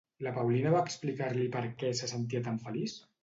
La Paulina va explicar-li per què se sentia tan feliç?